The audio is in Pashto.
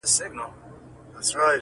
د سرکار له پوره نه سو خلاصېدلای!.